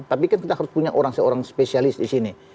tapi kan kita harus punya orang seorang spesialis di sini